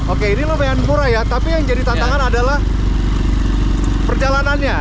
oke ini lumayan murah ya tapi yang jadi tantangan adalah perjalanannya